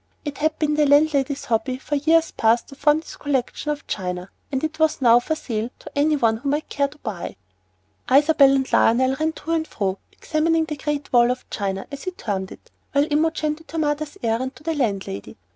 It had been the landlady's hobby for years past to form this collection of china, and it was now for sale to any one who might care to buy. Isabel and Lionel ran to and fro examining "the great wall of China," as he termed it, while Imogen did her mother's errand to the landlady.